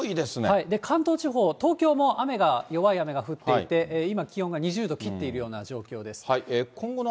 関東地方、東京も雨が、弱い雨が降っていて、今、気温が２０度切っているような状況です。